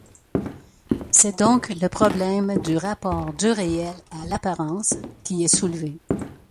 C'est donc le problème du rapport du réel à l'apparence qui est soulevé.